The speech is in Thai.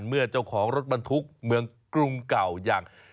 เมื่อเจ้าของรถบรรทุกเมืองกรุงเก่าอย่าง